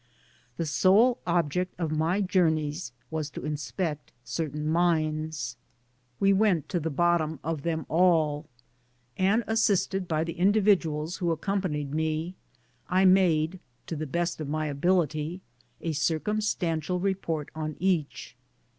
The sole object of my journeys was to inspect certain mines. , We went to the bot tom of them all, and, assisted by the indi viduals who accompanied me, I made, to the best of my ability, a circumstantial re port on each.